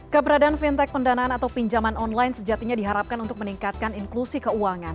keberadaan fintech pendanaan atau pinjaman online sejatinya diharapkan untuk meningkatkan inklusi keuangan